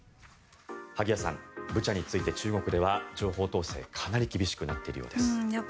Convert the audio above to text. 萩谷さん、ブチャについて中国では情報統制がかなり厳しくなっているようです。